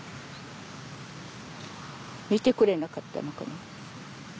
見てくれなかったのかね。